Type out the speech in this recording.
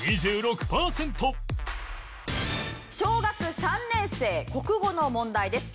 小学３年生国語の問題です。